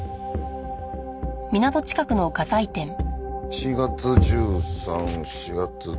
４月１３４月。